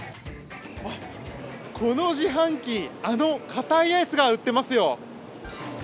この自販機、あのカタイアイスが売ってますよ。